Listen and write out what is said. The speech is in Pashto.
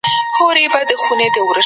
ولي خلګ يو بل نه اوري؟